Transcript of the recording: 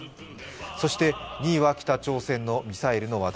そして２位は北朝鮮のミサイルの話題。